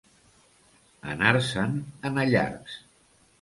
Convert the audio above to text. Anar-se'n en allargs.